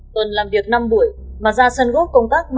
tuần làm việc năm buổi mà ra sân góp công tác